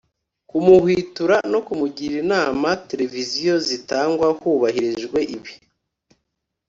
kumuhwitura no kumugira inama televiziyo zitangwa hubahirijwe ibi